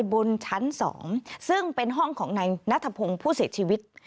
บนชั้น๒ซึ่งเป็นห้องของนายนัทพงศ์ผู้เสียชีวิต